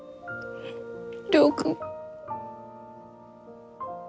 亮君。